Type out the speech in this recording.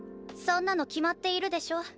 そんなの決まっているでしょ。